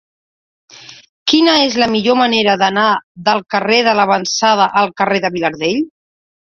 Quina és la millor manera d'anar del carrer de L'Avançada al carrer de Vilardell?